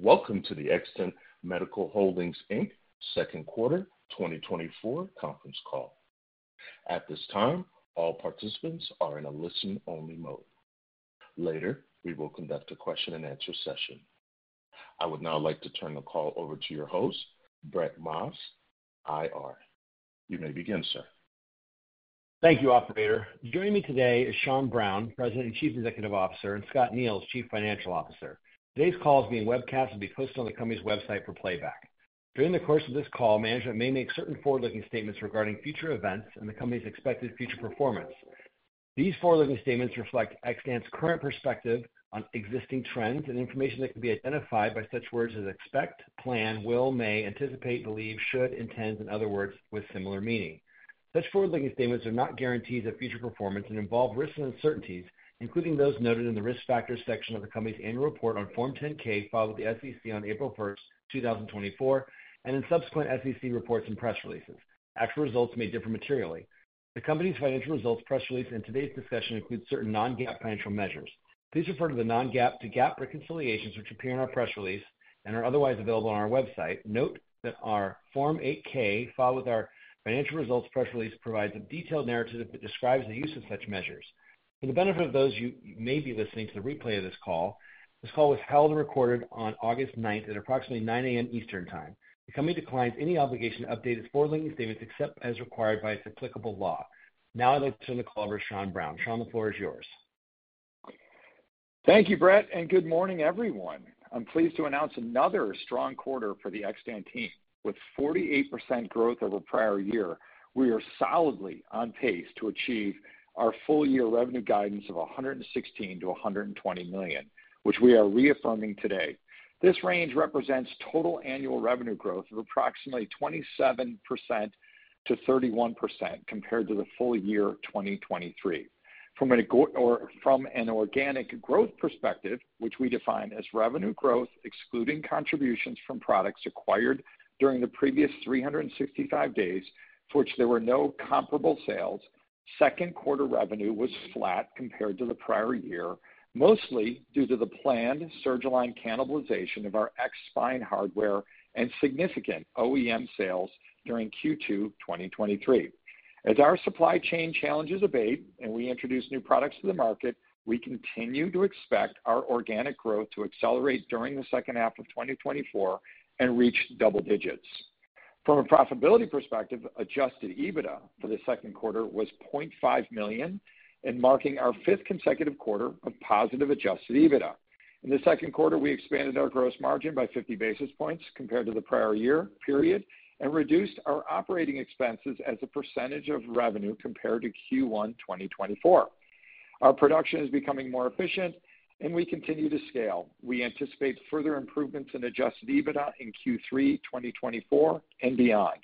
Welcome to the Xtant Medical Holdings, Inc. Second Quarter 2024 Conference Call. At this time, all participants are in a listen-only mode. Later, we will conduct a Q&A session. I would now like to turn the call over to your host, Brett Maas, IR. You may begin, sir. Thank you, operator. Joining me today is Sean Browne, President and Chief Executive Officer, and Scott Neils, Chief Financial Officer. Today's call is being webcast and be posted on the company's website for playback. During the course of this call, management may make certain forward-looking statements regarding future events and the company's expected future performance. These forward-looking statements reflect Xtant's current perspective on existing trends and information that can be identified by such words as expect, plan, will, may, anticipate, believe, should, intends, and other words with similar meaning. Such forward-looking statements are not guarantees of future performance and involve risks and uncertainties, including those noted in the Risk Factors section of the company's annual report on Form 10-K, filed with the SEC on April 1st, 2024, and in subsequent SEC reports and press releases. Actual results may differ materially. The company's financial results, press release, and today's discussion include certain non-GAAP financial measures. Please refer to the non-GAAP to GAAP reconciliations, which appear in our press release and are otherwise available on our website. Note that our Form 8-K, filed with our financial results press release, provides a detailed narrative that describes the use of such measures. For the benefit of those of you who may be listening to the replay of this call, this call was held and recorded on August 9th at approximately 9:00 A.M. Eastern Time. The company declines any obligation to update its forward-looking statements except as required by its applicable law. Now I'd like to turn the call over to Sean Browne. Sean, the floor is yours. Thank you, Brett, and good morning, everyone. I'm pleased to announce another strong quarter for the Xtant team. With 48% growth over the prior year, we are solidly on pace to achieve our full-year revenue guidance of $116 million to $120 million, which we are reaffirming today. This range represents total annual revenue growth of approximately 27% to 31% compared to the full year 2023. From an organic growth perspective, which we define as revenue growth, excluding contributions from products acquired during the previous 365 days, for which there were no comparable sales, second quarter revenue was flat compared to the prior year, mostly due to the planned Surgalign cannibalization of our X-Spine hardware and significant OEM sales during Q2, 2023. As our supply chain challenges abate and we introduce new products to the market, we continue to expect our organic growth to accelerate during the second half of 2024 and reach double digits. From a profitability perspective, Adjusted EBITDA for the second quarter was $0.5 million, marking our fifth consecutive quarter of positive Adjusted EBITDA. In the second quarter, we expanded our gross margin by 50 basis points compared to the prior year period and reduced our operating expenses as a percentage of revenue compared to Q1, 2024. Our production is becoming more efficient, and we continue to scale. We anticipate further improvements in Adjusted EBITDA in Q3, 2024 and beyond.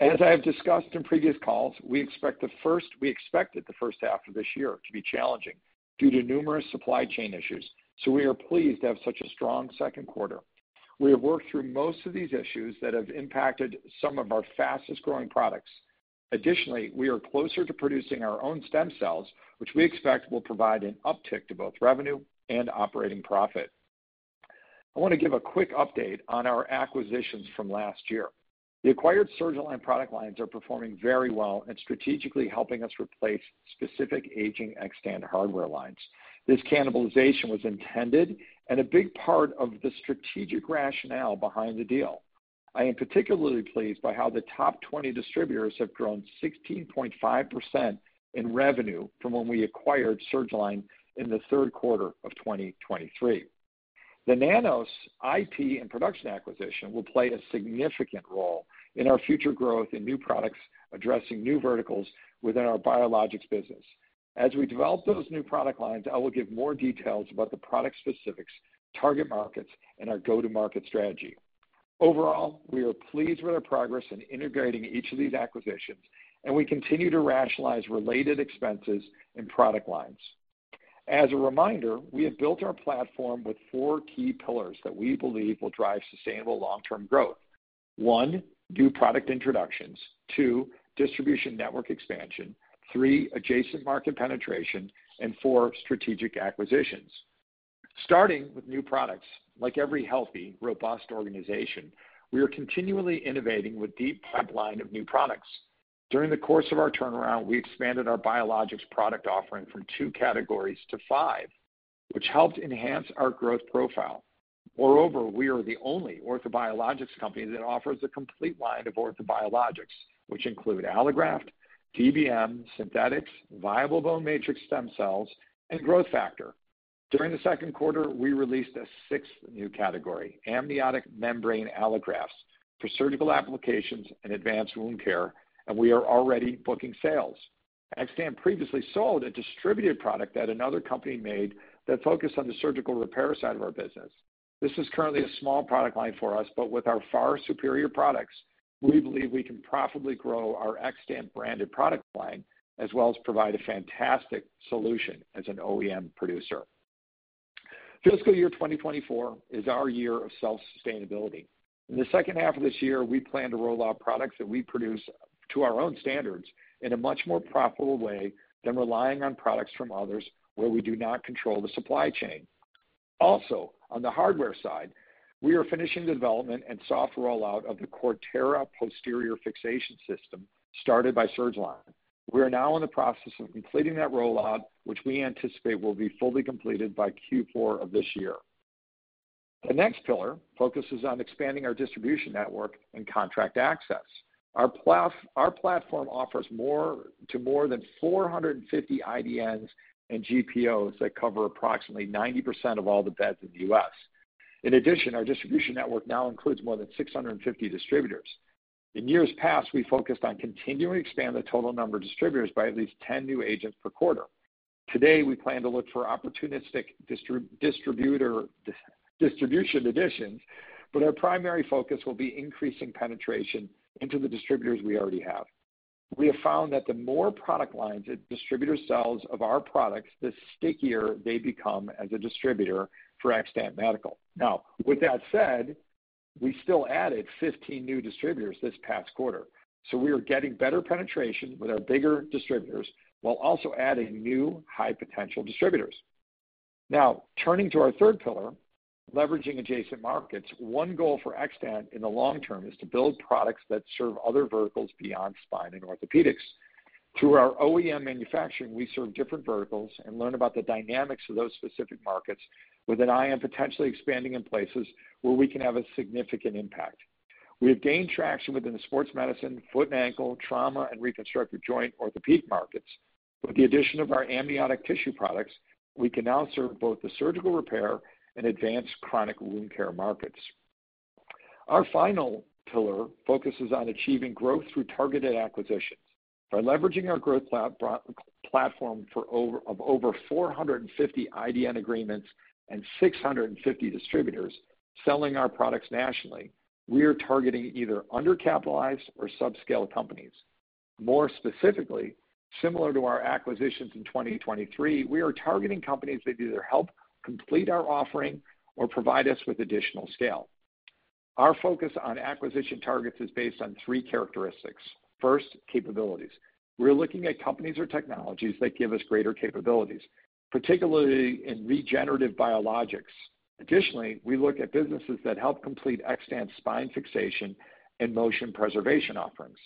As I have discussed in previous calls, we expected the first half of this year to be challenging due to numerous supply chain issues, so we are pleased to have such a strong second quarter. We have worked through most of these issues that have impacted some of our fastest-growing products. Additionally, we are closer to producing our own stem cells, which we expect will provide an uptick to both revenue and operating profit. I want to give a quick update on our acquisitions from last year. The acquired Surgalign product lines are performing very well and strategically helping us replace specific aging Xtant hardware lines. This cannibalization was intended and a big part of the strategic rationale behind the deal. I am particularly pleased by how the top twenty distributors have grown 16.5% in revenue from when we acquired Surgalign in the third quarter of 2023. The Nanoss IP and production acquisition will play a significant role in our future growth in new products, addressing new verticals within our biologics business. As we develop those new product lines, I will give more details about the product specifics, target markets, and our go-to-market strategy. Overall, we are pleased with our progress in integrating each of these acquisitions, and we continue to rationalize related expenses and product lines. As a reminder, we have built our platform with four key pillars that we believe will drive sustainable long-term growth. One, new product introductions. Two, distribution network expansion. Three, adjacent market penetration, and four, strategic acquisitions. Starting with new products, like every healthy, robust organization, we are continually innovating with deep pipeline of new products. During the course of our turnaround, we expanded our biologics product offering from two categories to five, which helped enhance our growth profile. Moreover, we are the only orthobiologics company that offers a complete line of orthobiologics, which include allograft, DBM, synthetics, viable bone matrix stem cells, and growth factor. During the second quarter, we released a sixth new category, amniotic membrane allografts, for surgical applications and advanced wound care, and we are already booking sales. Xtant previously sold a distributed product that another company made that focused on the surgical repair side of our business. This is currently a small product line for us, but with our far superior products, we believe we can profitably grow our Xtant-branded product line, as well as provide a fantastic solution as an OEM producer. Fiscal year 2024 is our year of self-sustainability. In the second half of this year, we plan to roll out products that we produce to our own standards in a much more profitable way than relying on products from others where we do not control the supply chain. Also, on the hardware side, we are finishing development and soft rollout of the Cortera Spinal Fixation System started by Surgalign. We are now in the process of completing that rollout, which we anticipate will be fully completed by Q4 of this year. The next pillar focuses on expanding our distribution network and contract access. Our platform offers more to more than 450 IDNs and GPOs that cover approximately 90% of all the beds in the U.S. In addition, our distribution network now includes more than 650 distributors. In years past, we focused on continuing to expand the total number of distributors by at least 10 new agents per quarter. Today, we plan to look for opportunistic distribution additions, but our primary focus will be increasing penetration into the distributors we already have. We have found that the more product lines a distributor sells of our products, the stickier they become as a distributor for Xtant Medical. Now, with that said, we still added 15 new distributors this past quarter, so we are getting better penetration with our bigger distributors while also adding new high-potential distributors. Now, turning to our third pillar, leveraging adjacent markets, one goal for Xtant in the long term is to build products that serve other verticals beyond spine and orthopedics. Through our OEM manufacturing, we serve different verticals and learn about the dynamics of those specific markets with an eye on potentially expanding in places where we can have a significant impact. We have gained traction within the sports medicine, foot and ankle, trauma, and reconstructive joint orthopedic markets. With the addition of our amniotic tissue products, we can now serve both the surgical repair and advanced chronic wound care markets. Our final pillar focuses on achieving growth through targeted acquisitions. By leveraging our growth platform of over 450 IDN agreements and 650 distributors selling our products nationally, we are targeting either undercapitalized or subscale companies. More specifically, similar to our acquisitions in 2023, we are targeting companies that either help complete our offering or provide us with additional scale. Our focus on acquisition targets is based on three characteristics. First, capabilities. We're looking at companies or technologies that give us greater capabilities, particularly in regenerative biologics. Additionally, we look at businesses that help complete Xtant's spine fixation and motion preservation offerings.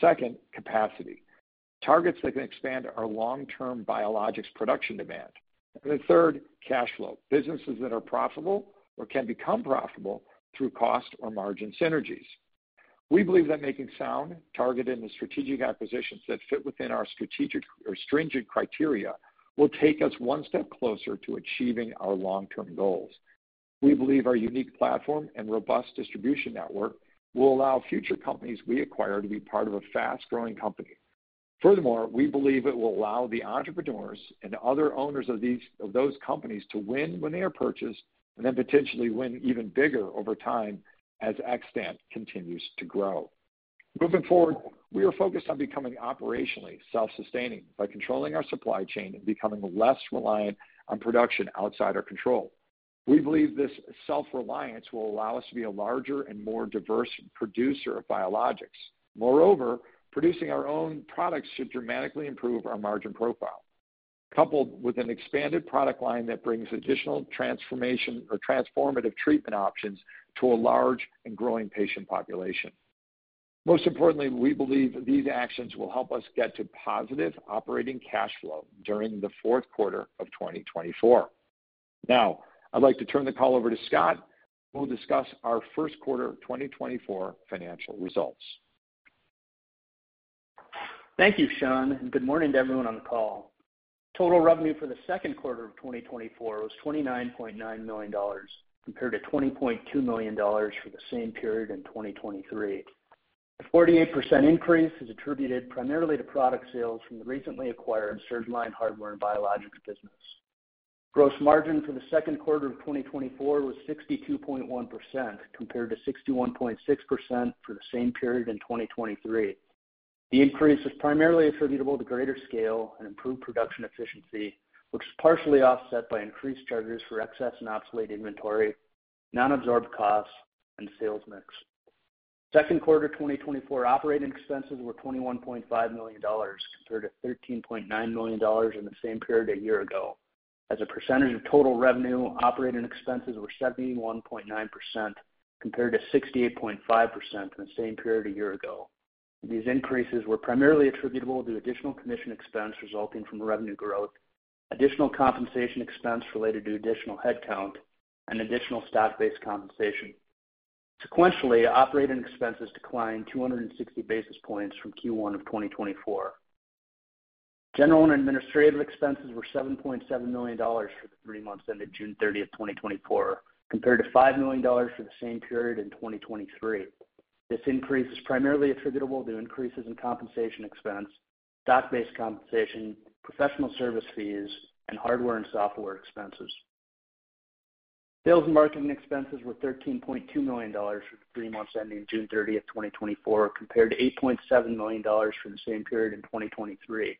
Second, capacity. Targets that can expand our long-term biologics production demand. And then third, cash flow. Businesses that are profitable or can become profitable through cost or margin synergies. We believe that making sound, targeted, and strategic acquisitions that fit within our strategic or stringent criteria will take us one step closer to achieving our long-term goals. We believe our unique platform and robust distribution network will allow future companies we acquire to be part of a fast-growing company. Furthermore, we believe it will allow the entrepreneurs and other owners of these, of those companies to win when they are purchased, and then potentially win even bigger over time as Xtant continues to grow. Moving forward, we are focused on becoming operationally self-sustaining by controlling our supply chain and becoming less reliant on production outside our control. We believe this self-reliance will allow us to be a larger and more diverse producer of biologics. Moreover, producing our own products should dramatically improve our margin profile, coupled with an expanded product line that brings additional transformation or transformative treatment options to a large and growing patient population. Most importantly, we believe these actions will help us get to positive operating cash flow during the fourth quarter of 2024. Now, I'd like to turn the call over to Scott, who will discuss our first quarter of 2024 financial results. Thank you, Sean, and good morning to everyone on the call. Total revenue for the second quarter of 2024 was $29.9 million, compared to $20.2 million for the same period in 2023. The 48% increase is attributed primarily to product sales from the recently acquired Surgalign hardware and biologics business. Gross margin for the second quarter of 2024 was 62.1%, compared to 61.6% for the same period in 2023. The increase is primarily attributable to greater scale and improved production efficiency, which is partially offset by increased charges for excess and obsolete inventory, non-absorbed costs, and sales mix. Second quarter 2024 operating expenses were $21.5 million, compared to $13.9 million in the same period a year ago. As a percentage of total revenue, operating expenses were 71.9%, compared to 68.5% in the same period a year ago. These increases were primarily attributable to additional commission expense resulting from revenue growth, additional compensation expense related to additional headcount, and additional stock-based compensation. Sequentially, operating expenses declined 260 basis points from Q1 of 2024. General and administrative expenses were $7.7 million for the three months ended June 30, 2024, compared to $5 million for the same period in 2023. This increase is primarily attributable to increases in compensation expense, stock-based compensation, professional service fees, and hardware and software expenses. Sales and marketing expenses were $13.2 million for the three months ending June 30, 2024, compared to $8.7 million for the same period in 2023.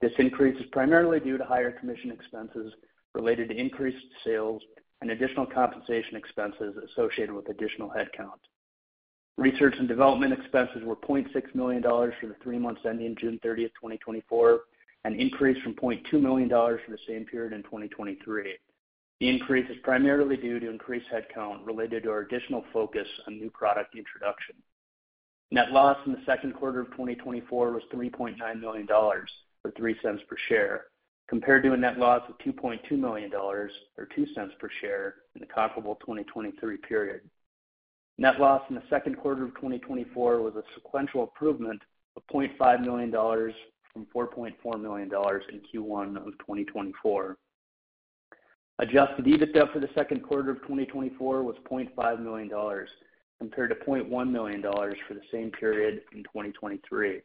This increase is primarily due to higher commission expenses related to increased sales and additional compensation expenses associated with additional headcount. Research and development expenses were $0.6 million for the three months ending June 30, 2024, an increase from $0.2 million for the same period in 2023. The increase is primarily due to increased headcount related to our additional focus on new product introduction. Net loss in the second quarter of 2024 was $3.9 million, or 3 cents per share, compared to a net loss of $2.2 million or 2 cents per share in the comparable 2023 period. Net loss in the second quarter of 2024 was a sequential improvement of $0.5 million from $4.4 million in Q1 of 2024. Adjusted EBITDA for the second quarter of 2024 was $0.5 million, compared to $0.1 million for the same period in 2023.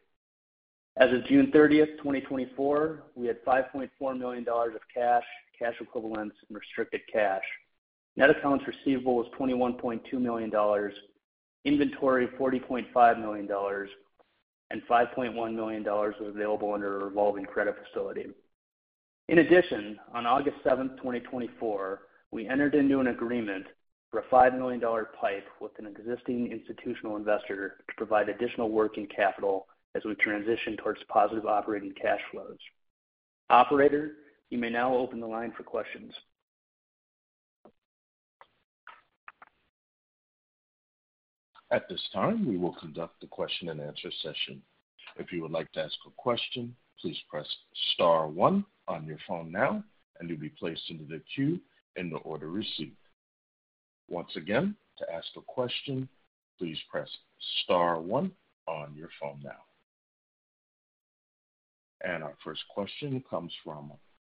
As of June 30, 2024, we had $5.4 million of cash, cash equivalents, and restricted cash. Net accounts receivable was $21.2 million, inventory, $40.5 million, and $5.1 million was available under a revolving credit facility. In addition, on August 7, 2024, we entered into an agreement for a $5 million PIPE with an existing institutional investor to provide additional working capital as we transition towards positive operating cash flows. Operator, you may now open the line for questions. At this time, we will conduct the Q&A session. If you would like to ask a question, please press star one on your phone now, and you'll be placed into the queue in the order received. Once again, to ask a question, please press star one on your phone now. Our first question comes from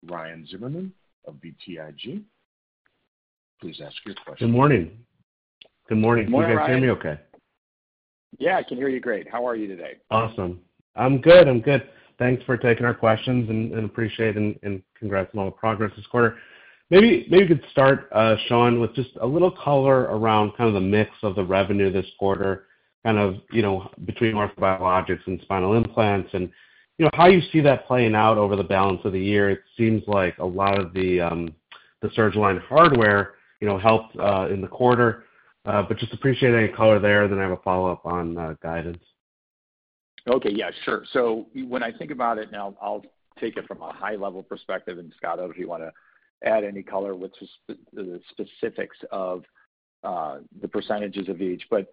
Ryan Zimmerman from BTIG. Please ask your question. Good morning. Good morning. Good morning, Ryan. Can you hear me okay? Yeah, I can hear you great. How are you today? Awesome. I'm good, I'm good. Thanks for taking our questions and appreciate and congrats on all the progress this quarter. Maybe you could start, Sean, with just a little color around kind of the mix of the revenue this quarter, kind of, you know, between orthobiologics and spinal implants and, you know, how you see that playing out over the balance of the year. It seems like a lot of the Surgalign hardware, you know, helped in the quarter, but just appreciate any color there, then I have a follow-up on guidance. Okay, yeah, sure. So when I think about it now, I'll take it from a high-level perspective, and Scott, if you wanna add any color with the specifics of the percentages of each. But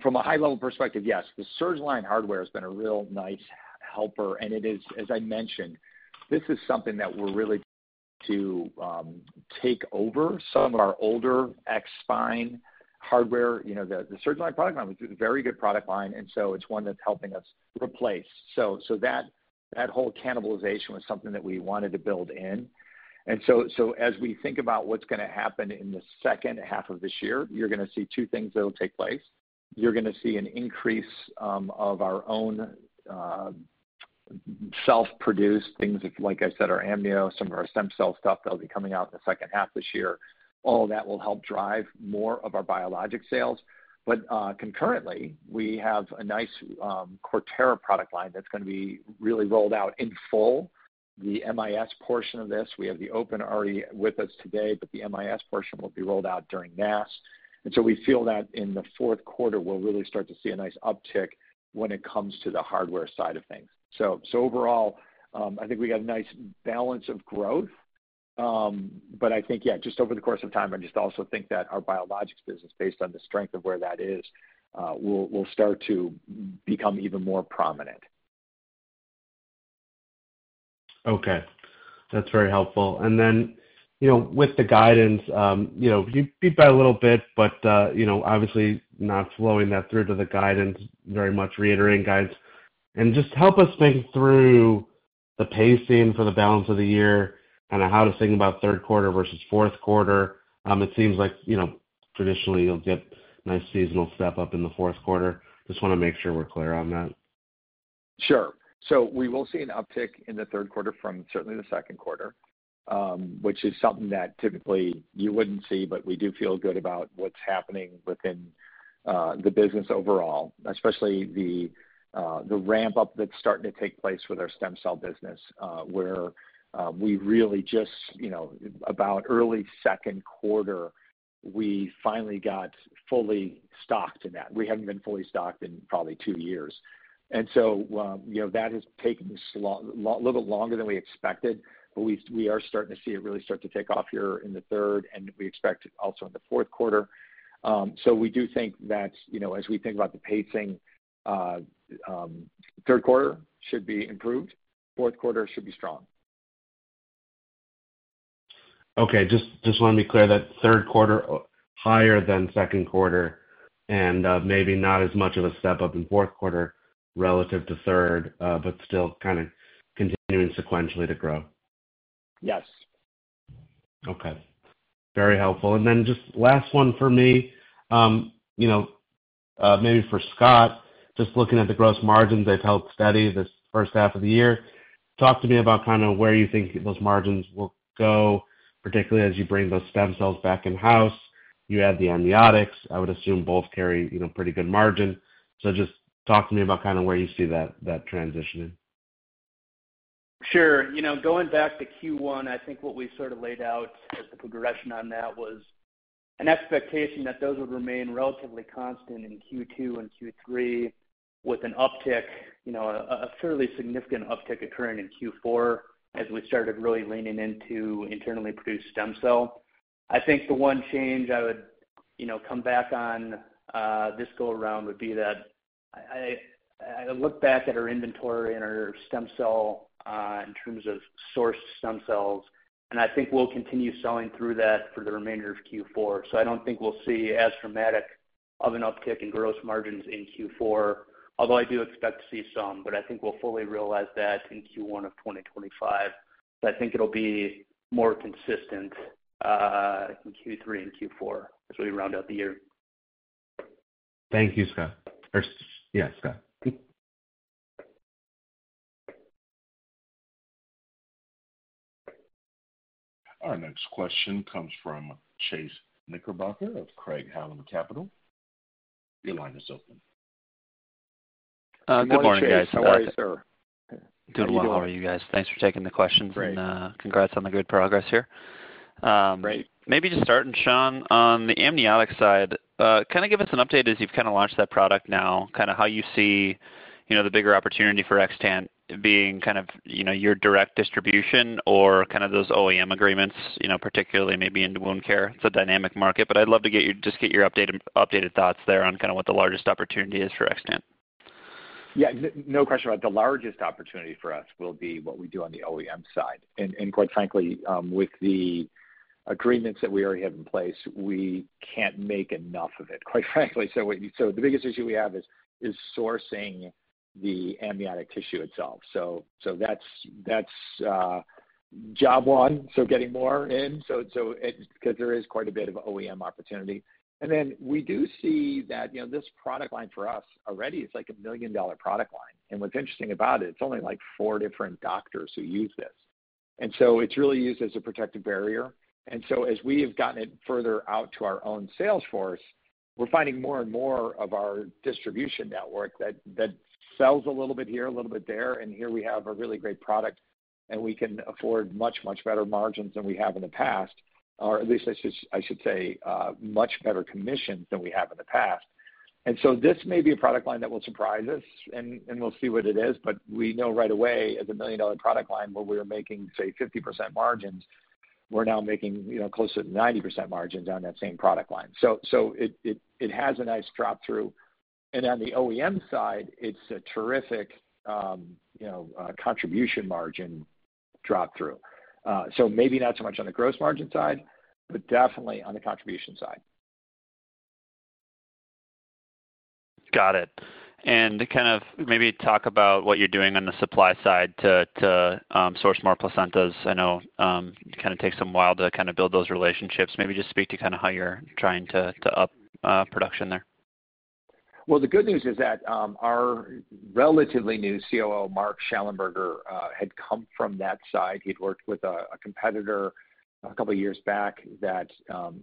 from a high level perspective, yes, the Surgalign hardware has been a real nice helper, and it is—as I mentioned, this is something that we're really to take over some of our older X-Spine hardware. You know, the Surgalign product line was a very good product line, and so it's one that's helping us replace. So that whole cannibalization was something that we wanted to build in. And so as we think about what's gonna happen in the second half of this year, you're gonna see two things that'll take place. You're gonna see an increase of our own self-produced things, like I said, our amnio, some of our stem cell stuff that'll be coming out in the second half this year. All of that will help drive more of our biologic sales. But concurrently, we have a nice Cortera product line that's gonna be really rolled out in full. The MIS portion of this, we have the open already with us today, but the MIS portion will be rolled out during NASS. And so we feel that in the fourth quarter, we'll really start to see a nice uptick when it comes to the hardware side of things. So overall, I think we got a nice balance of growth. But I think, yeah, just over the course of time, I just also think that our biologics business, based on the strength of where that is, will start to become even more prominent. Okay, that's very helpful. And then, you know, with the guidance, you know, you beat by a little bit, but, you know, obviously not flowing that through to the guidance, very much reiterating guidance. And just help us think through the pacing for the balance of the year and how to think about third quarter versus fourth quarter. It seems like, you know, traditionally, you'll get nice seasonal step-up in the fourth quarter. Just wanna make sure we're clear on that. Sure. So we will see an uptick in the third quarter from certainly the second quarter, which is something that typically you wouldn't see, but we do feel good about what's happening within the business overall, especially the ramp-up that's starting to take place with our stem cell business, where we really just, you know, about early second quarter, we finally got fully stocked in that. We hadn't been fully stocked in probably two years. And so, you know, that has taken us a little bit longer than we expected, but we are starting to see it really start to take off here in the third, and we expect it also in the fourth quarter. So we do think that, you know, as we think about the pacing, third quarter should be improved, fourth quarter should be strong. Okay, just, just want to be clear that third quarter higher than second quarter and, maybe not as much of a step-up in fourth quarter relative to third, but still kind of continuing sequentially to grow? Yes. Okay, very helpful. And then just last one for me, you know, maybe for Scott, just looking at the gross margins, they've held steady this first half of the year. Talk to me about kind of where you think those margins will go, particularly as you bring those stem cells back in-house. You add the amniotics, I would assume both carry, you know, pretty good margin. So just talk to me about kind of where you see that, that transitioning. Sure. You know, going back to Q1, I think what we sort of laid out as the progression on that was an expectation that those would remain relatively constant in Q2 and Q3, with an uptick, you know, a fairly significant uptick occurring in Q4 as we started really leaning into internally produced stem cell. I think the one change I would, you know, come back on this go around would be that I look back at our inventory and our stem cell in terms of source stem cells, and I think we'll continue selling through that for the remainder of Q4. So I don't think we'll see as dramatic of an uptick in gross margins in Q4, although I do expect to see some, but I think we'll fully realize that in Q1 of 2025. But I think it'll be more consistent in Q3 and Q4 as we round out the year. Thank you, Scott. Or, yeah, Scott. Our next question comes from Chase Knickerbocker of Craig-Hallum Capital Group. Your line is open. Good morning, Chase. How are you, sir? Good morning. Doing well. How are you guys? Thanks for taking the questions. Great. Congrats on the good progress here. Great. Maybe just starting, Sean, on the amniotic side, kind of give us an update as you've kind of launched that product now, kind of how you see, you know, the bigger opportunity for Xtant being kind of, you know, your direct distribution or kind of those OEM agreements, you know, particularly maybe into wound care. It's a dynamic market, but I'd love to just get your updated thoughts there on kind of what the largest opportunity is for Xtant. Yeah, no question about the largest opportunity for us will be what we do on the OEM side. And quite frankly, with the agreements that we already have in place, we can't make enough of it, quite frankly. So the biggest issue we have is sourcing the amniotic tissue itself. So that's job one, getting more in. Because there is quite a bit of OEM opportunity. And then we do see that, you know, this product line for us already is like a million-dollar product line. And what's interesting about it, it's only, like, four different doctors who use this. And so it's really used as a protective barrier. And so as we have gotten it further out to our own sales force, we're finding more and more of our distribution network that sells a little bit here, a little bit there, and here we have a really great product, and we can afford much, much better margins than we have in the past. Or at least I should, I should say, much better commissions than we have in the past. And so this may be a product line that will surprise us, and we'll see what it is, but we know right away, as a million-dollar product line, where we are making, say, 50% margins, we're now making, you know, close to 90% margins on that same product line. So it has a nice drop-through. And on the OEM side, it's a terrific, you know, contribution margin drop through. So maybe not so much on the gross margin side, but definitely on the contribution side. Got it. And to kind of maybe talk about what you're doing on the supply side to source more placentas. I know it kind of takes some while to kind of build those relationships. Maybe just speak to kind of how you're trying to up production there? Well, the good news is that, our relatively new COO, Mark Shallenberger, had come from that side. He'd worked with a competitor a couple of years back that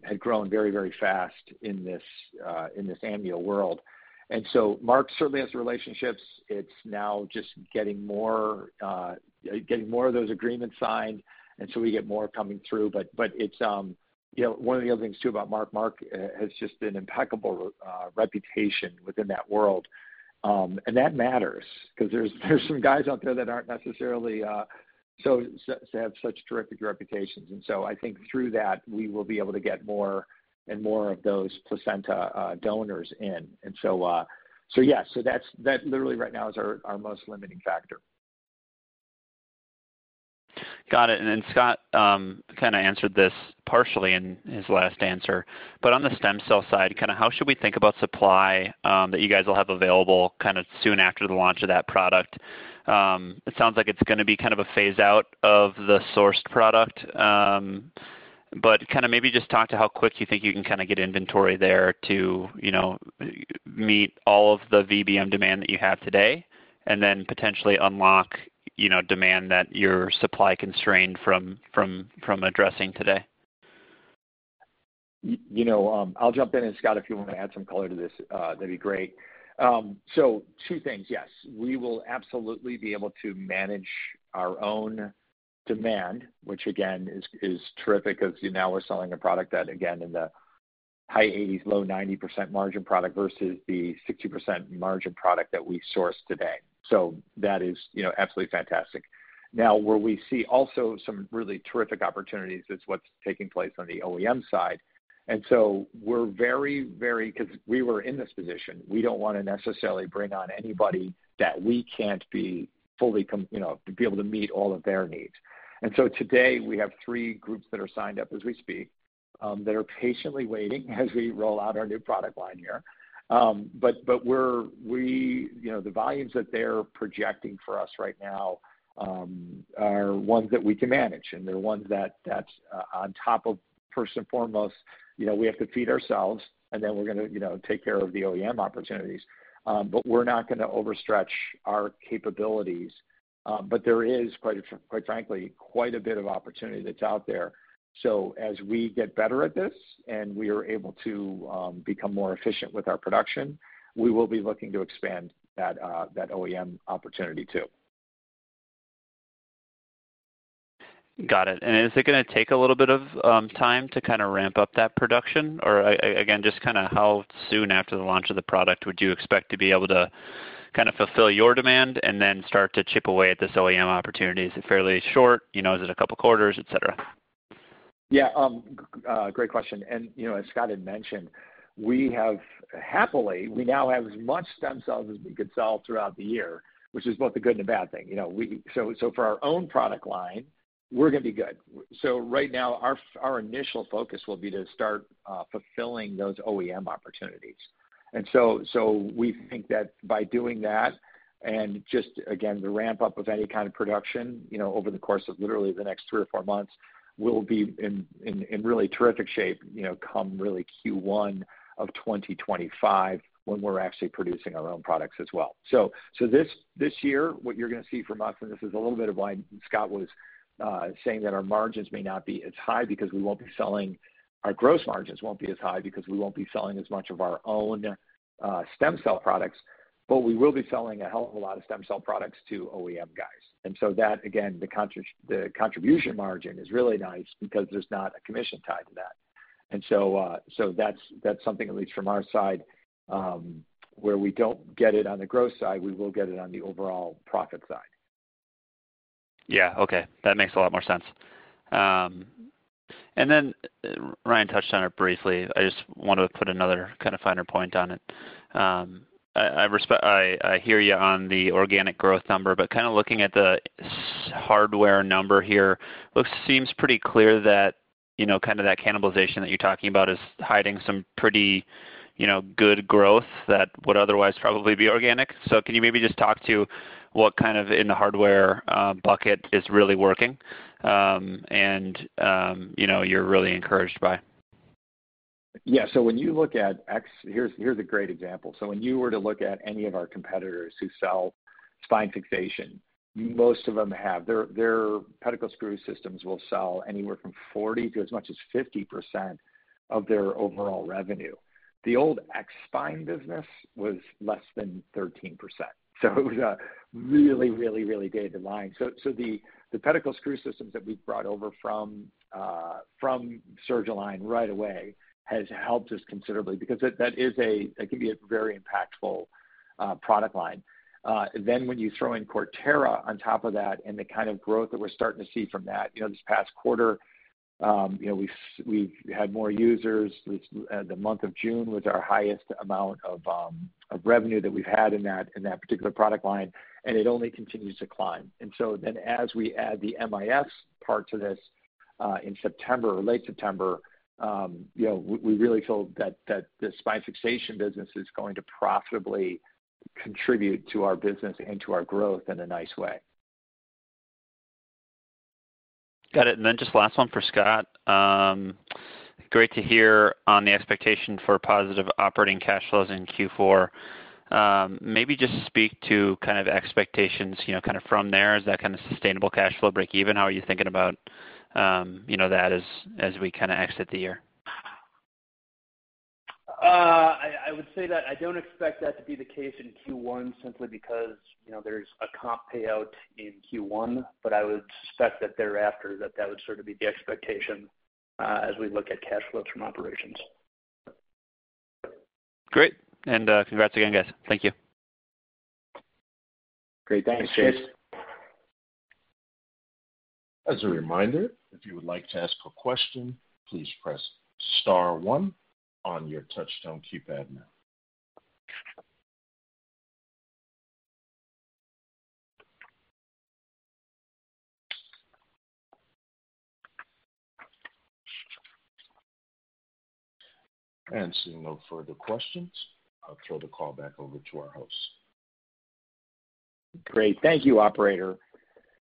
had grown very, very fast in this amnio world. And so Mark certainly has the relationships. It's now just getting more of those agreements signed, and so we get more coming through. But it's, you know, one of the other things, too, about Mark. Mark has just an impeccable reputation within that world. And that matters because there's some guys out there that aren't necessarily so to have such terrific reputations. And so I think through that, we will be able to get more and more of those placenta donors in. So yeah, so that's literally right now is our most limiting factor. Got it. And then Scott, kind of answered this partially in his last answer, but on the stem cell side, kind of how should we think about supply, that you guys will have available kind of soon after the launch of that product? It sounds like it's gonna be kind of a phase out of the sourced product, but kind of maybe just talk to how quick you think you can kind of get inventory there to, you know, meet all of the VBM demand that you have today, and then potentially unlock, you know, demand that you're supply constrained from addressing today. You know, I'll jump in, and Scott, if you want to add some color to this, that'd be great. So two things, yes, we will absolutely be able to manage our own demand, which again is terrific because now we're selling a product that, again, in the high 80s, low 90% margin product versus the 60% margin product that we source today. So that is, you know, absolutely fantastic. Now, where we see also some really terrific opportunities is what's taking place on the OEM side. And so we're very, very... because we were in this position, we don't want to necessarily bring on anybody that we can't be fully com-- you know, be able to meet all of their needs. And so today, we have three groups that are signed up as we speak, that are patiently waiting as we roll out our new product line here. But, but we're, we—you know, the volumes that they're projecting for us right now, are ones that we can manage, and they're ones that, that's on top of, first and foremost, you know, we have to feed ourselves, and then we're gonna, you know, take care of the OEM opportunities. But we're not gonna overstretch our capabilities, but there is, quite, quite frankly, quite a bit of opportunity that's out there. So as we get better at this and we are able to, become more efficient with our production, we will be looking to expand that, that OEM opportunity, too. Got it. And is it going to take a little bit of time to kind of ramp up that production? Or again, just kind of how soon after the launch of the product would you expect to be able to kind of fulfill your demand and then start to chip away at this OEM opportunity? Is it fairly short? You know, is it a couple of quarters, et cetera? Yeah, great question. And, you know, as Scott had mentioned, we have, happily, we now have as much stem cells as we could sell throughout the year, which is both a good and a bad thing. You know, we, so, so for our own product line, we're going to be good. So right now, our initial focus will be to start fulfilling those OEM opportunities. And so, so we think that by doing that, and just again, the ramp-up of any kind of production, you know, over the course of literally the next three or four months, we'll be in really terrific shape, you know, come really Q1 of 2025, when we're actually producing our own products as well. This year, what you're going to see from us, and this is a little bit of why Scott was saying that our margins may not be as high because we won't be selling, our gross margins won't be as high because we won't be selling as much of our own stem cell products, but we will be selling a hell of a lot of stem cell products to OEM guys. And so that, again, the contribution margin is really nice because there's not a commission tied to that. And so, that's something, at least from our side, where we don't get it on the gross side, we will get it on the overall profit side. Yeah, okay. That makes a lot more sense. And then Ryan touched on it briefly. I just want to put another kind of finer point on it. I hear you on the organic growth number, but kind of looking at the hardware number here, seems pretty clear that, you know, kind of that cannibalization that you're talking about is hiding some pretty, you know, good growth that would otherwise probably be organic. So can you maybe just talk to what kind of in the hardware bucket is really working, and, you know, you're really encouraged by? Yeah, so when you look at X... Here's a great example. So when you were to look at any of our competitors who sell spine fixation, most of them have their pedicle screw systems will sell anywhere from 40%-50% of their overall revenue. The old X-Spine business was less than 13%. So it was a really, really, really small line. So the pedicle screw systems that we've brought over from Surgalign right away has helped us considerably because that is a, that can be a very impactful product line. Then when you throw in Cortera on top of that, and the kind of growth that we're starting to see from that, you know, this past quarter, you know, we've had more users. We, the month of June was our highest amount of, of revenue that we've had in that, in that particular product line, and it only continues to climb. And so then as we add the MIS part to this, in September or late September, you know, we, we really feel that, that the spine fixation business is going to profitably contribute to our business and to our growth in a nice way. Got it. And then just last one for Scott. Great to hear on the expectation for positive operating cash flows in Q4. Maybe just speak to kind of expectations, you know, kind of from there. Is that kind of sustainable cash flow break even? How are you thinking about, you know, that as, as we kind of exit the year? I would say that I don't expect that to be the case in Q1, simply because, you know, there's a comp payout in Q1, but I would suspect that thereafter, that that would sort of be the expectation, as we look at cash flows from operations. Great, and, congrats again, guys. Thank you. Great. Thanks, Chase. As a reminder, if you would like to ask a question, please press star one on your touch-tone keypad now. Seeing no further questions, I'll throw the call back over to our host. Great. Thank you, operator.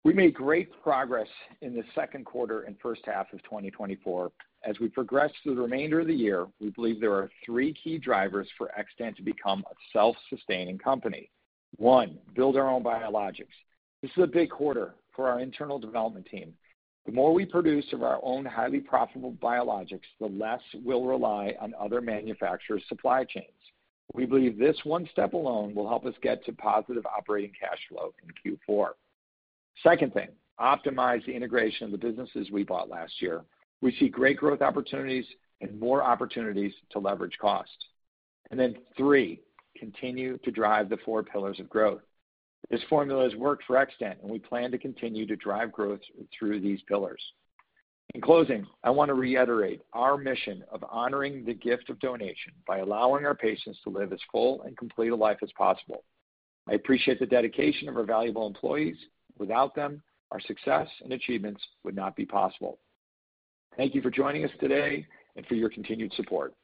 We made great progress in the second quarter and first half of 2024. As we progress through the remainder of the year, we believe there are three key drivers for Xtant to become a self-sustaining company. One, build our own biologics. This is a big quarter for our internal development team. The more we produce of our own highly profitable biologics, the less we'll rely on other manufacturers' supply chains. We believe this one step alone will help us get to positive operating cash flow in Q4. Second thing, optimize the integration of the businesses we bought last year. We see great growth opportunities and more opportunities to leverage costs. And then three, continue to drive the four pillars of growth. This formula has worked for Xtant, and we plan to continue to drive growth through these pillars. In closing, I want to reiterate our mission of honoring the gift of donation by allowing our patients to live as full and complete a life as possible. I appreciate the dedication of our valuable employees. Without them, our success and achievements would not be possible. Thank you for joining us today and for your continued support.